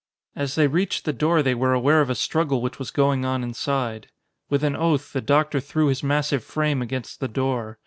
As they reached the door they were aware of a struggle which was going on inside. With an oath the doctor threw his massive frame against the door.